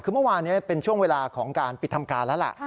คือเมื่อวานนี้เป็นช่วงเวลาของการปิดทำการแล้วล่ะ